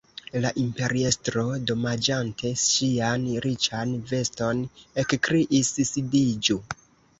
La imperiestro, domaĝante ŝian riĉan veston, ekkriis: "sidiĝu! »